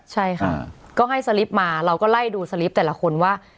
ใช่ค่ะก็ให้สลิปมาเราก็ไล่ดูสลิปแต่ละคนว่า